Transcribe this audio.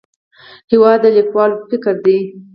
هېواد د لیکوال فکر دی.